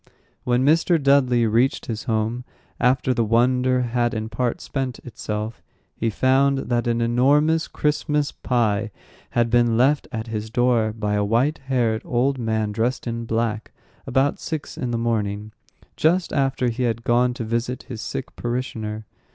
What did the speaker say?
When Mr. Dudley reached his home, after the wonder had in part spent itself, he found that an enormous Christmas pie had been left at his door by a white haired old man dressed in black, about six in the morning, just after he had gone to visit his sick parishioner.